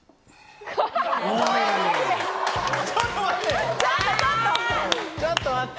ちょっと待って！